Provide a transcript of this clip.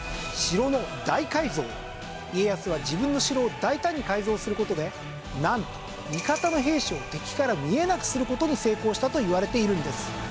家康は自分の城を大胆に改造する事でなんと味方の兵士を敵から見えなくする事に成功したといわれているんです。